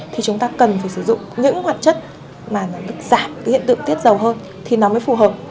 thì chúng ta cần phải sử dụng những hoạt chất mà nó giảm cái hiện tượng tiết dầu hơn thì nó mới phù hợp